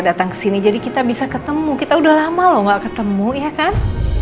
datang sini jadi kita bisa ketemu kita udah lama lo nggak ketemu ya kan